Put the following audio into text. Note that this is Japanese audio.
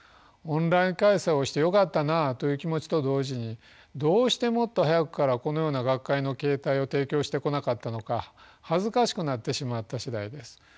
オンライン開催をしてよかったなという気持ちと同時にどうしてもっと早くからこのような学会の形態を提供してこなかったのか恥ずかしくなってしまった次第です。